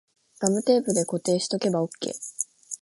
ガムテープで固定しとけばオッケー